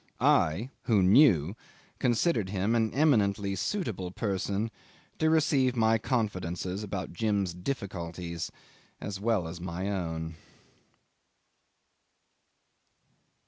I, who knew, considered him an eminently suitable person to receive my confidences about Jim's difficulties as well as my own.